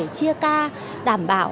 chia ca đảm bảo